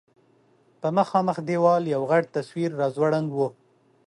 په مخامخ دېوال یو غټ تصویر راځوړند و.